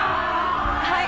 はい。